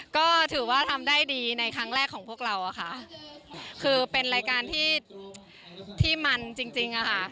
ก็ถือว่าทำได้ดีในครั้งแรกของพวกเราอะค่ะคือเป็นรายการที่ที่มันจริงจริงอะค่ะ